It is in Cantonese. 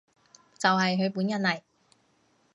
就係佢本人嚟